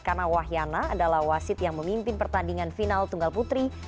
karena wahyana adalah wasit yang memimpin pertandingan final tunggal putri